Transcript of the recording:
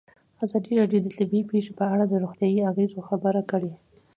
ازادي راډیو د طبیعي پېښې په اړه د روغتیایي اغېزو خبره کړې.